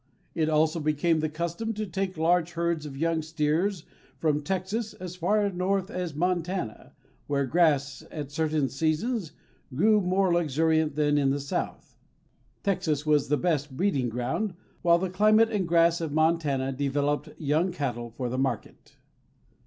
It also became the custom to take large herds of young steers from Texas as far north as Montana, where grass at certain seasons grew more luxuriant than in the south. Texas was the best breeding ground, while the climate and grass of Montana developed young cattle for the market.